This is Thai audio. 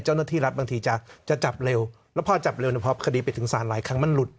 เจ้าหน้าที่รัฐบางทีจะจับเร็วแล้วพอจับเร็วเนี่ยพอคดีไปถึงศาลหลายครั้งมันหลุด